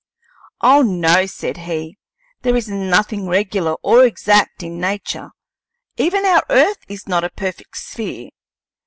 "Oh no," said he. "There is nothing regular or exact in nature; even our earth is not a perfect sphere.